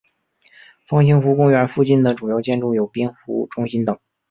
方兴湖公园附近的主要建筑有滨湖中心等。